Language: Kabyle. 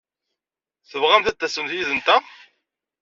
Tebɣamt ad d-tasemt yid-nteɣ?